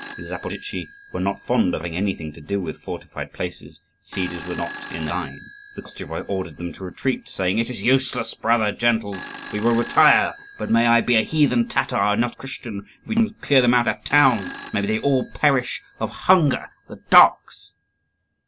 The Zaporozhtzi were not fond of having anything to do with fortified places: sieges were not in their line. The Koschevoi ordered them to retreat, saying, "It is useless, brother gentles; we will retire: but may I be a heathen Tatar, and not a Christian, if we do not clear them out of that town! may they all perish of hunger, the dogs!"